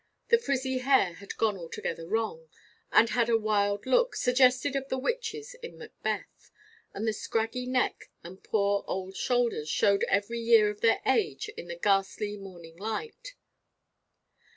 The frizzy hair had gone altogether wrong, and had a wild look, suggestive of the witches in Macbeth, and the scraggy neck and poor old shoulders showed every year of their age in the ghastly morning light.